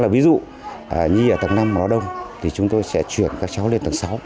ví dụ nhi ở tầng năm nó đông chúng tôi sẽ chuyển các cháu lên tầng sáu